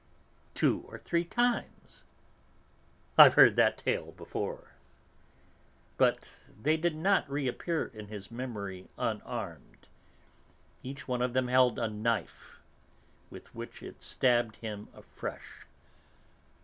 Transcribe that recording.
"Two or three times." "I've heard that tale before." But they did not reappear in his memory unarmed; each of them held a knife with which it stabbed him afresh.